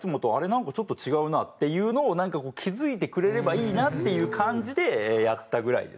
なんかちょっと違うなっていうのを気付いてくれればいいなっていう感じでやったぐらいですね。